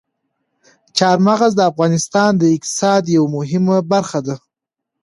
چار مغز د افغانستان د اقتصاد یوه مهمه برخه ده.